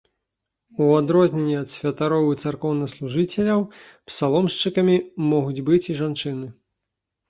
У адрозненне ад святароў і царкоўнаслужыцеляў, псаломшчыкамі могуць быць і жанчыны.